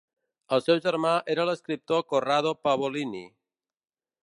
El seu germà era l'escriptor Corrado Pavolini.